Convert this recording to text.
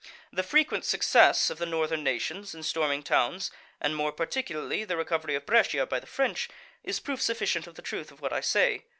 The frequent success of the northern nations in storming towns, and more particularly the recovery of Brescia by the French, is proof sufficient of the truth of what I say.